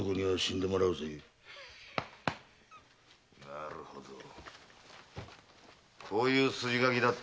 なるほどこういう筋書きだったのか。